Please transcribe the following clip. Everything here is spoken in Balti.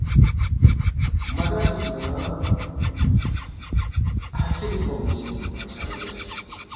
مہ زا چِک نہ ہسِری پون٘ی سی بادشاہ لہ زیرس،